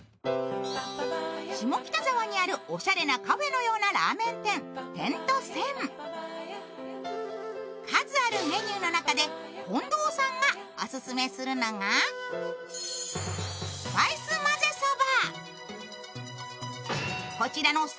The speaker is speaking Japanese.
下北沢にあるおしゃれなカフェのようなラーメン店、点と線．数あるメニューの中で近藤さんがオススメするのがスパイスまぜそば。